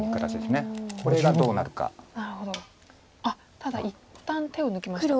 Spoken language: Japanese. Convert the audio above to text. ただ一旦手を抜きましたか。